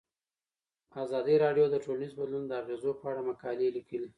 ازادي راډیو د ټولنیز بدلون د اغیزو په اړه مقالو لیکلي.